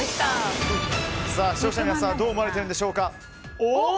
視聴者の皆さんはどう思われているでしょうか。